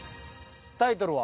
タイトルは？